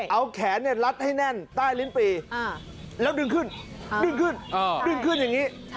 เอาแขนลัดให้แน่นใต้ลิ้นปีแล้วดึงขึ้นดึงขึ้นดิ้งขึ้นอย่างนี้